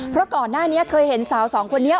เพราะก่อนหน้านี้เคยเห็นสาวสองคนนี้